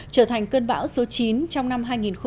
trở thành cơn bão số chín trong năm hai nghìn một mươi bảy